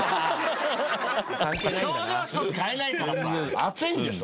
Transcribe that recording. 表情ひとつ変えないからさ熱いんでしょ？